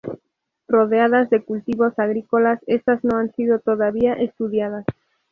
Rodeadas de cultivos agrícolas, estas no han sido todavía estudiadas.